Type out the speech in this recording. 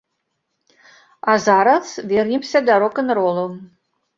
А зараз вернемся да рок-н-ролу.